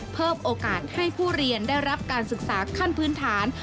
เพิ่มโอกาสให้ผู้เรียนได้รับการศึกษาขั้นพื้นฐาน